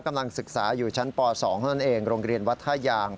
กำลังศึกษาอยู่ชั้นป๒เท่านั้นเองโรงเรียนวัดท่ายาง